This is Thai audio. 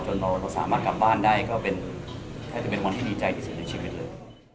เราสามารถกลับบ้านได้ก็แทบจะเป็นวันที่ดีใจที่สุดในชีวิตเลย